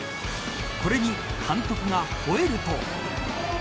これに監督が吠えると。